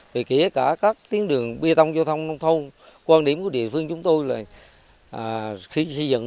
thì kể cả các tiến đường bê tông giao thông nông thôn quan điểm của địa phương chúng tôi là khi xây dựng